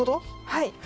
はい。